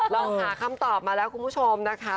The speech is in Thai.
เราหาคำตอบมาแล้วคุณผู้ชมนะคะ